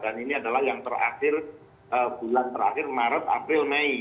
dan ini adalah yang terakhir bulan terakhir maret april mei